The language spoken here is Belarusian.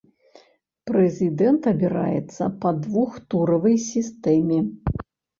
Прэзідэнт абіраецца па двухтуравой сістэме.